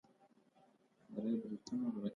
د ننګرهار کانال د زیتون باغونه لري